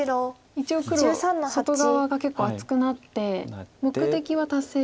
一応黒外側が結構厚くなって目的は達成してますか。